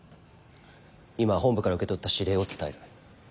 今本部から受け取った指令を伝える。